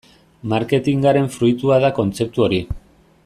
Marketingaren fruitua da kontzeptu hori.